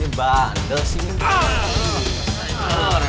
ini bandel sih